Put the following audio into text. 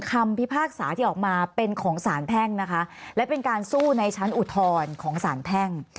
คำพิพากษาที่ออกมาเป็นของสารแพ่งนะคะและเป็นการสู้ในชั้นอุทธรณ์ของสารแพ่ง